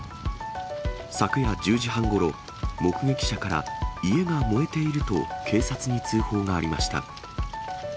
昨夜１０時半ごろ、目撃者から、家が燃えていると警察に通報がありました。